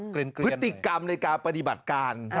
พฤติกรรมในการปฏิบัติการ